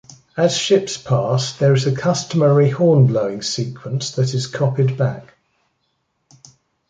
As ships pass, there is a customary horn-blowing sequence that is copied back.